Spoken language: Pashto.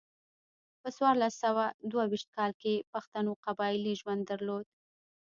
په څوارلس سوه دوه ویشت کال کې پښتنو قبایلي ژوند درلود.